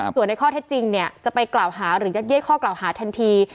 ส่วนในข้อเท็จจริงจะไปกล่าวหาหรือยัดเย็ดข้อกล่าวหาทันที